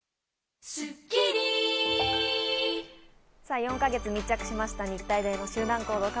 ４か月密着しました、日体大の集団行動。